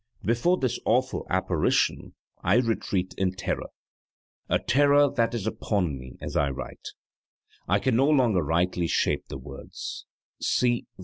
Before this awful apparition I retreat in terror a terror that is upon me as I write. I can no longer rightly shape the words. See!